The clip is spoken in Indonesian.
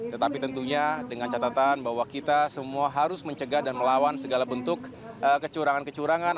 tetapi tentunya dengan catatan bahwa kita semua harus mencegah dan melawan segala bentuk kecurangan kecurangan